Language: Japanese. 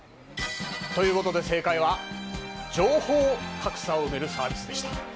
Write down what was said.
ということで正解は情報格差を埋めるサービスでした！